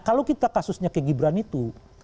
kalau kita kasusnya ke gibran itu